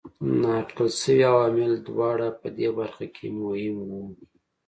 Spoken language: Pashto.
نااټکل شوي عوامل دواړه په دې برخه کې مهم وو.